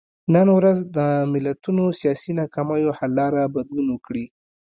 نن ورځ د ملتونو سیاسي ناکامیو حل لاره بدلون وکړي.